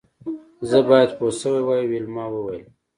زه باید پوه شوې وای ویلما وویل